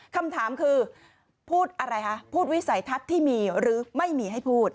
คำถามคือพูดอะไรคะพูดวิสัยทัศน์ที่มีหรือไม่มีให้พูด